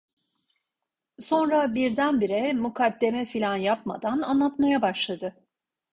Sonra birdenbire, mukaddeme filan yapmadan, anlatmaya başladı.